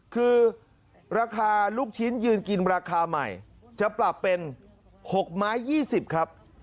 คือราคาลูกชิ้นยืนกินราคาใหม่จะปรับเป็น๖ไม้๒๐ครับ